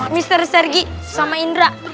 mister sergi sama indra